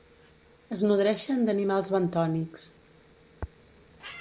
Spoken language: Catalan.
Es nodreixen d'animals bentònics.